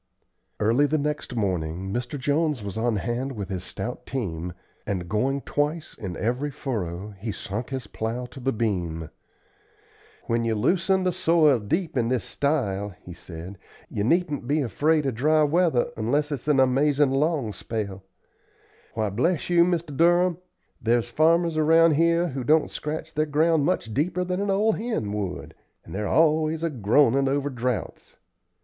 Early the next morning Mr. Jones was on hand with his stout team, and, going twice in every furrow, he sunk his plow to the beam. "When you loosen the soil deep in this style," he said, "ye needn't be afraid of dry weather unless it's an amazin' long spell. Why, bless you, Mr. Durham, there's farmers around here who don't scratch their ground much deeper than an old hen would, and they're always groanin' over droughts.